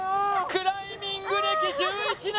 クライミング歴１１年